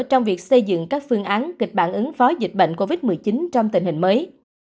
trong việc xây dựng các phương án kịch bản ứng phó dịch bệnh covid một mươi chín trong tình hình mới